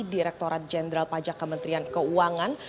direkturat jenderal pajak kementerian keuangan